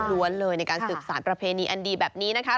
ล้วนเลยในการสืบสารประเพณีอันดีแบบนี้นะคะ